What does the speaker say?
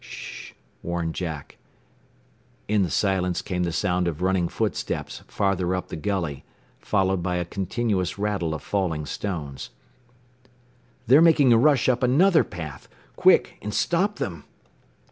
"Sh!" warned Jack. In the silence came the sound of running footsteps farther up the gully, followed by a continuous rattle of falling stones. "They're making a rush up another path. Quick, and stop them!"